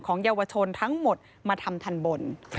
เยาวชนทั้งหมดมาทำทันบน